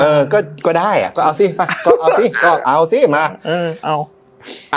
เออก็ก็ได้อ่ะก็เอาสิมาก็เอาสิก็เอาสิมาเออเอา